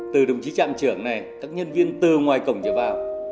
từ đồng chí trạm trưởng này các nhân viên từ ngoài cổng trở vào